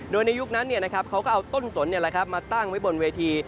โดยในยุคนั้นเขาก็เอาต้นสนมาตั้งไว้บนเวที